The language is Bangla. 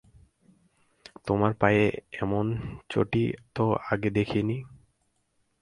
তোমার পায়ে এমন চটি তো আগে দেখি নি।